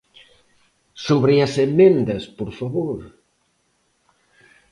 ¿Sobre as emendas, por favor?